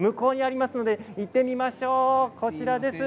行ってみましょう、こちらですよ。